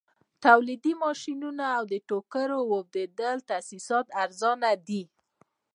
تولیدي ماشینونه او د ټوکر اوبدلو تاسیسات ارزانه دي